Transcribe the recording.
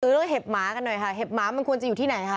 เรื่องเห็บหมากันหน่อยค่ะเห็บหมามันควรจะอยู่ที่ไหนคะ